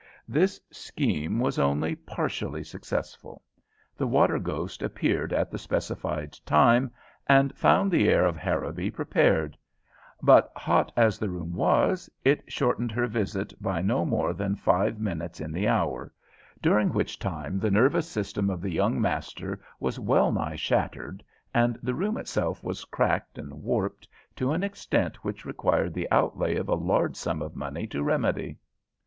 The scheme was only partially successful. The water ghost appeared at the specified time, and found the heir of Harrowby prepared; but hot as the room was, it shortened her visit by no more than five minutes in the hour, during which time the nervous system of the young master was wellnigh shattered, and the room itself was cracked and warped to an extent which required the outlay of a large sum of money to remedy.